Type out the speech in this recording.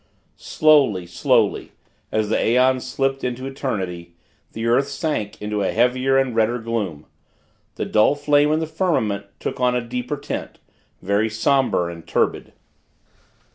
Slowly, slowly, as the aeons slipped into eternity, the earth sank into a heavier and redder gloom. The dull flame in the firmament took on a deeper tint, very somber and turbid.